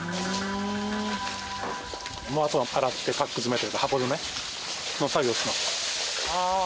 あとは洗ってパック詰めというか箱詰めの作業します。